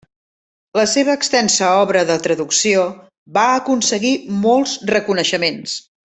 La seva extensa obra de traducció va aconseguir molts reconeixements.